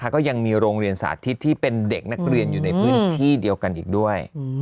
ก็ยังมีโรงเรียนสาธิตที่เป็นเด็กนักเรียนอยู่ในพื้นที่เดียวกันอีกด้วย